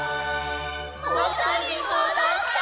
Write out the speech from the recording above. もとにもどった！